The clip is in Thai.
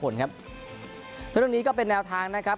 เรื่องนี้ก็เป็นแนวทางนะครับ